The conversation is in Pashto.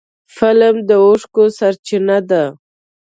فلم د اوښکو سرچینه ده